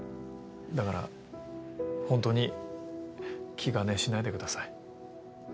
だから本当に気兼ねしないでください。